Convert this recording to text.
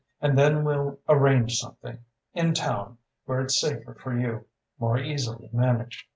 And then we'll arrange something in town where it's safer for you more easily managed....